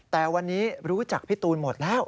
แต่วันนี้รู้จักพี่ตูนหมดแล้ว